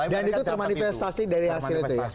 dan itu termanifestasi dari hasil itu ya